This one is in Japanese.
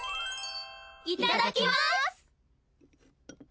いただきます！